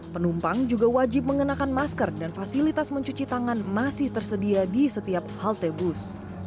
penumpang juga wajib mengenakan masker dan fasilitas mencuci tangan masih tersedia di setiap halte bus